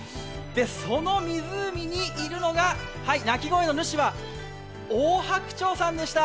その湖にいるのが鳴き声の主は、オオハクチョウさんでした。